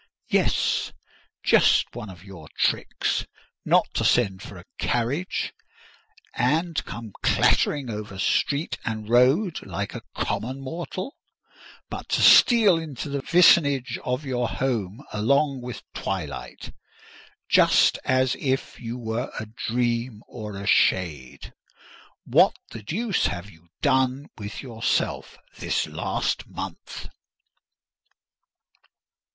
Yes—just one of your tricks: not to send for a carriage, and come clattering over street and road like a common mortal, but to steal into the vicinage of your home along with twilight, just as if you were a dream or a shade. What the deuce have you done with yourself this last month?"